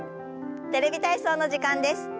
「テレビ体操」の時間です。